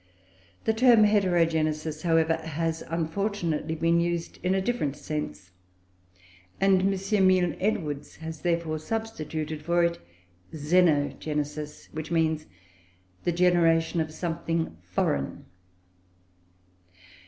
The term Heterogenesis, however, has unfortunately been used in a different sense, and M. Milne Edwards has therefore substituted for it Xenogenesis, which means the generation of something foreign.